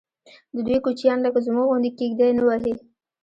ددوی کوچیان لکه زموږ غوندې کېږدۍ نه وهي.